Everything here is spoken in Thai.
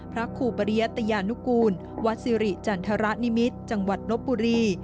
ครูปริยัตยานุกูลวัดสิริจันทรนิมิตรจังหวัดลบบุรี